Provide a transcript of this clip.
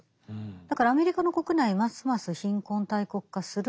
だからアメリカの国内ますます貧困大国化する。